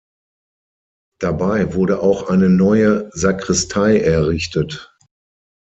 Dabei wurde auch eine neue Sakristei errichtet.